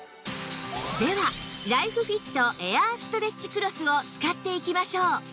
ではライフフィットエアーストレッチクロスを使っていきましょう